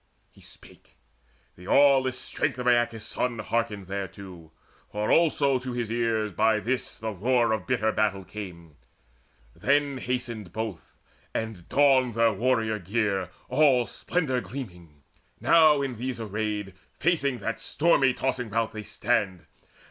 He spake: the aweless strength of Aeacus' son Hearkened thereto, for also to his ears By this the roar of bitter battle came. Then hasted both, and donned their warrior gear All splendour gleaming: now, in these arrayed Facing that stormy tossing rout they stand.